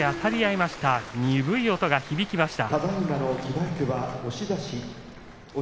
鈍い音が響きました。